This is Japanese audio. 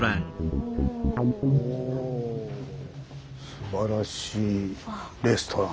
すばらしいレストラン。